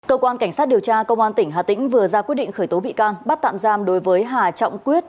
cơ quan cảnh sát điều tra công an tỉnh hà tĩnh vừa ra quyết định khởi tố bị can bắt tạm giam đối với hà trọng quyết